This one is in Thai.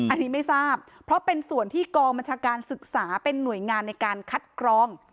อันนี้ไม่ทราบเพราะเป็นส่วนที่กองบัญชาการศึกษาเป็นหน่วยงานในการคัดกรอง